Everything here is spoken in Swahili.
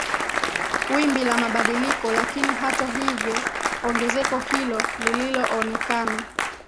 Wimbi la mabadiliko lakini hata hivyo ongezeko hilo lililoonekana